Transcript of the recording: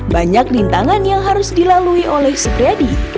banyak rintangan yang harus dilalui oleh supriyadi